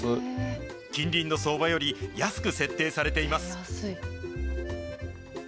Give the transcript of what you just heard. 近隣の相場より安く設定されています。